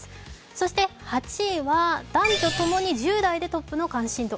そして８位は男女共に１０代でトップの関心度。